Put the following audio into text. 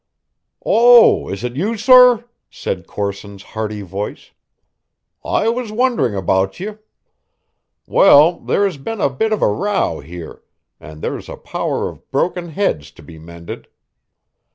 "Oh, is it you, sor?" said Corson's hearty voice. "I was wondering about ye. Well, there has been a bit of a row here, and there's a power of broken heads to be mended.